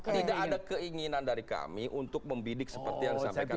tidak ada keinginan dari kami untuk membidik seperti yang disampaikan tadi